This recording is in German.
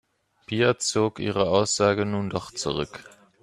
Pia zog ihre Aussage nun doch zurück.